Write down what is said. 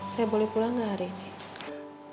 saya boleh pulang gak hari ini